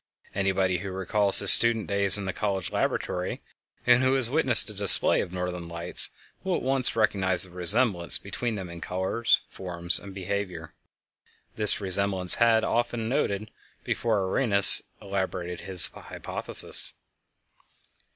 Anybody who recalls his student days in the college laboratory and who has witnessed a display of Northern Lights will at once recognize the resemblance between them in colors, forms, and behavior. This resemblance had often been noted before Arrhenius elaborated his hypothesis.